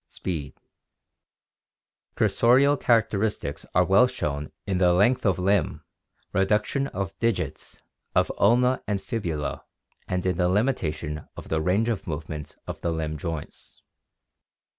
Speed. — Cursorial characteristics are well shown in the length of limb, reduction of digits, of ulna and fibula, and in the limitation of the range of movement of the limb joints.